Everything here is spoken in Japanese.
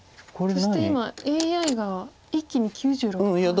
そして今ＡＩが一気に９６％です。